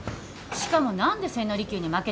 しかも何で千利休に負けてんのよ。